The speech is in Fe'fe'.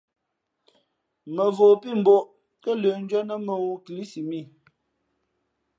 Mᾱvǒ pí mbᾱʼ ō kάlə̄ndʉ́ά nά mᾱŋū kilísimǐ .